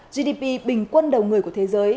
gdp bình quân đầu người của thế giới